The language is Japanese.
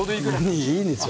いいですよ。